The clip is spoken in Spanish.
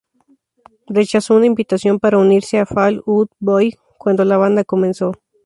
Rechazó una invitación para unirse a "Fall Out Boy" cuando la banda comenzó.